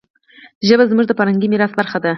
ژبه زموږ د فرهنګي میراث برخه ده.